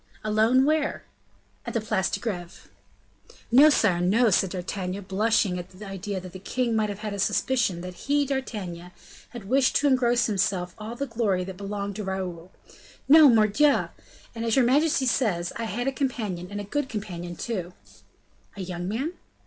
"Alone, where?" "At the Place de Greve." "No, sire, no," said D'Artagnan, blushing at the idea that the king might have a suspicion that he, D'Artagnan, had wished to engross to himself all the glory that belonged to Raoul; "no, mordioux! and as your majesty says, I had a companion, and a good companion, too." "A young man?"